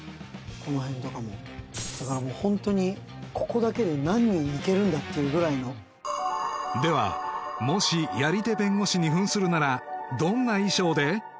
この辺とかもだからもうホントにここだけで何人いけるんだっていうぐらいのではもしどんな衣装で？